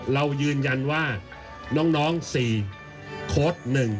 เรายืนยันว่าน้อง๔โค้ด๑